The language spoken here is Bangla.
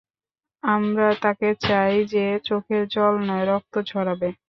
আমরা তাকে চাই, যে চোখের জল নয়, রক্ত ঝড়াবে।